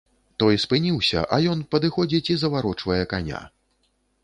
Той спыніўся, а ён падыходзіць і заварочвае каня.